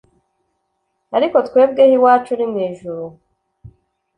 Ariko twebweho iwacu nimwijuru